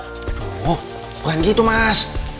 aduh bukan gitu mas